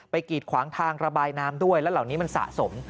กีดขวางทางระบายน้ำด้วยแล้วเหล่านี้มันสะสม